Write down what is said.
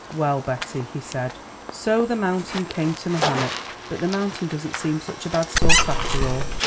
"Well, Betty," he said, "so the mountain came to Mahomet? But the mountain doesn't seem such a bad sort, after all.